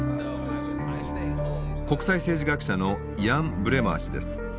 国際政治学者のイアン・ブレマー氏です。